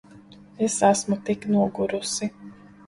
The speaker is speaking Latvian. Es esmu tik nogurusi.